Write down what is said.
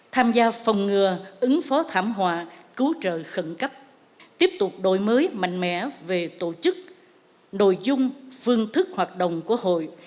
tham gia phòng ngừa ứng phó thảm họa cứu trợ khẩn cấp tiếp tục đổi mới mạnh mẽ về tổ chức nội dung phương thức hoạt động của hội